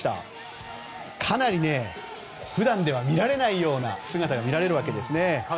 かなり普段では見られないような姿が見られるわけですね。